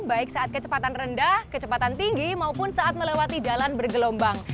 baik saat kecepatan rendah kecepatan tinggi maupun saat melewati jalan bergelombang